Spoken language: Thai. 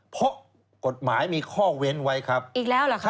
เพราะกฎหมายมีข้อเว้นไว้ครับอีกแล้วเหรอครับ